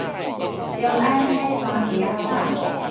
長安海山街仔口